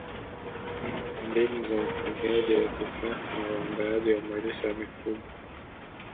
Mbinu za ufugaji wa kisasa na uandaaji wa malisho ya mifugo